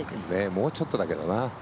もうちょっとだけどな。